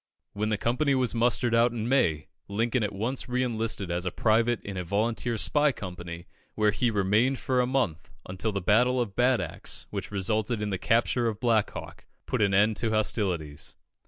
When the company was mustered out in May, Lincoln at once re enlisted as a private in a volunteer spy company, where he remained for a month, until the Battle of Bad Axe, which resulted in the capture of Black Hawk, put an end to hostilities.